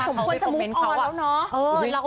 สมมุติสมมุติอ่อนแล้วเนอะ